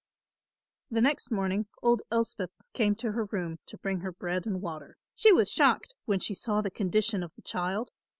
The next morning old Elspeth came to her room to bring her bread and water. She was shocked when she saw the condition of the child.